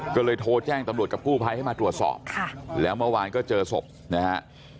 ก็เลยโทรแจ้งตำรวจกับกู้ภัยให้มาตรวจสอบค่ะแล้วเมื่อวานก็เจอศพนะฮะ